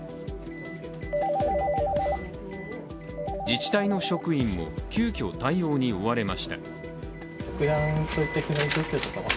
自治体の職員も急きょ対応に追われました。